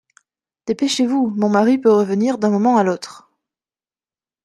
Dépêchez-vous, mon mari peut revenir d’un moment à l’autre.